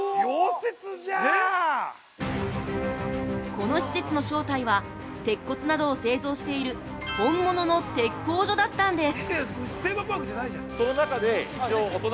◆この施設の正体は鉄骨などを製造している本物の鉄工所だったんです。